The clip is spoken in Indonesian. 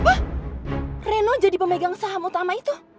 wah reno jadi pemegang saham utama itu